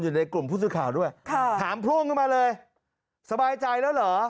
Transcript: อยู่ในกลุ่มผู้สื่อข่าวด้วยค่ะถามโพร่งขึ้นมาเลยสบายใจแล้วเหรอ